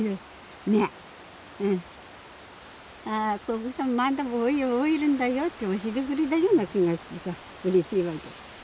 ああここさまだ生えるんだよって教えてくれたような気がしてさうれしいわけ。